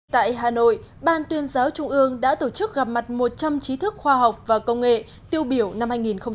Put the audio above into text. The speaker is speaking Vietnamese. tại hà nội ban tuyên giáo trung ương đã tổ chức gặp mặt một trăm linh trí thức khoa học và công nghệ tiêu biểu năm hai nghìn một mươi chín